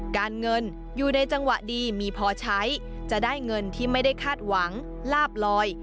การเงินอยู่ในจังหวะดีมีพอใช้จะได้เงินที่ไม่ได้คาดหวังลาบลอย